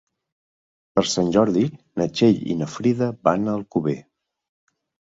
Per Sant Jordi na Txell i na Frida van a Alcover.